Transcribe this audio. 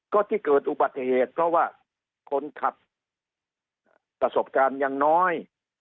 ก็ที่เกิดอุบัติเหตุเพราะว่าคนขับประสบการณ์ยังน้อย